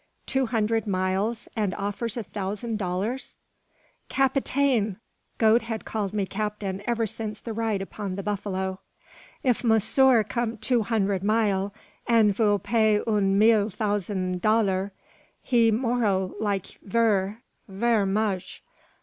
Two hundred miles, and offers a thousand dollars!" "Capitaine!" (Gode had called me captain ever since the ride upon the buffalo), "if monsieur come two hunred mile, and vill pay un mille thousan dollar, he Moro like ver, ver moch.